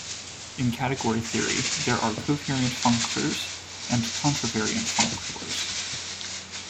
In category theory, there are covariant functors and contravariant functors.